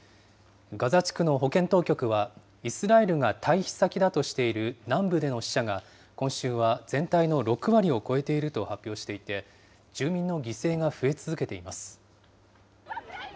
ガザ地区の保健当局は、イスラエルが退避先だとしている南部での死者が、今週は全体の６割を超えていると発表していて、住民の犠牲が増え続けています。